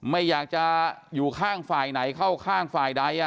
ไม่อยากจะอยู่ข้างฝ่ายไหนเข้าข้างฝ่ายใด